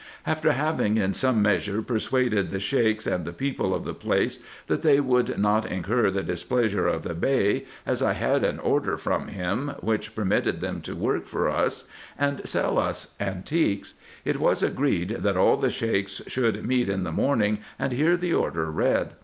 After having in some measure persuaded the Sheiks and the people of the place, that they would not incur the displeasure of the Bey, as I had an order from himself, which per mitted them to work for us, and sell us antiques, it was agreed, that all the Sheiks should meet in the morning, and hear the order read.